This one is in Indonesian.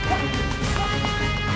aku harus mencari orang sakti